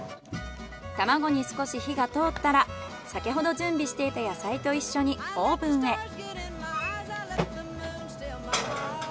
卵に少し火が通ったら先ほど準備していた野菜と一緒にオーブンへ。